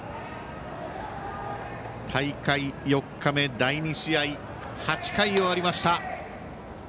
大会４日目、第２試合８回が終わりました。